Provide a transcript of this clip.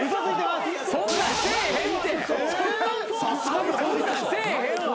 そんなんせえへんわ。